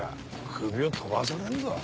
首を飛ばされんぞ。